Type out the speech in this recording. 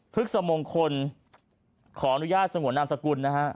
ฤกษมงคลขออนุญาตสงวนนามสกุลนะฮะ